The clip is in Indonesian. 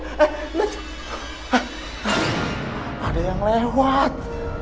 eh ada yang lewat